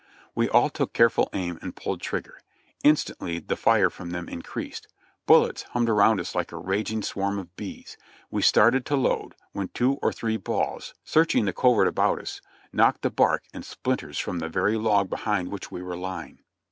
We all took careful aim and pulled trigger. Instantly the fire from them increased ; bullets hummed around us like a raging swarm of bees; we started to load, when two or three balls, searching the covert about us, knocked the bark and splint ers from the very log behind which we were lying.